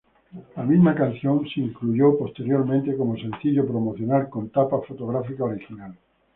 La misma canción se incluyó posteriormente como sencillo promocional con tapa fotográfica original.